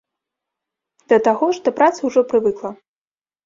Да таго ж, да працы ўжо прывыкла.